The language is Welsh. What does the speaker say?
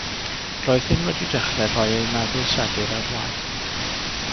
Roedd hyn wedi dechrau rhoi ei meddwl segur ar waith.